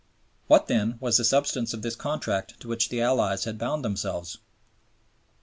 What, then, was the substance of this Contract to which the Allies had bound themselves?